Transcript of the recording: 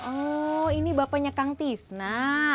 oh ini bapaknya kang tisna